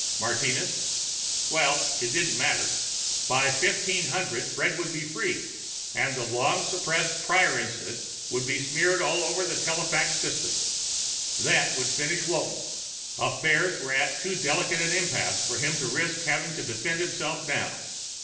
Martinez? Well, it didn't matter. By 1500 Fred would be free, and the long suppressed Prior incident would be smeared all over the telefax system. That would finish Walton; affairs were at too delicate an impasse for him to risk having to defend himself now.